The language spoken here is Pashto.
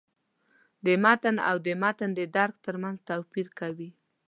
د «متن» او «د متن د درک» تر منځ توپیر کوي.